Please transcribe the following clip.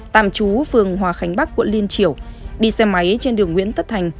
tạm trú phường hòa khánh bắc quận liên triều đi xe máy trên đường nguyễn tất thành